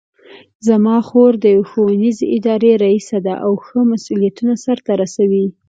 زما خور د یوې ښوونیزې ادارې ریسه ده او ښه مسؤلیتونه سرته رسوي